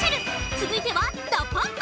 つづいてはＤＡＰＵＭＰ！